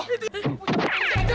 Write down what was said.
eh kita kejar